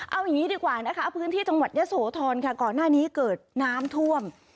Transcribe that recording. เอาอย่างนี้ดีกว่านะคะพื้นที่จังหวัดยะโสธรค่ะก่อนหน้านี้เกิดน้ำท่วม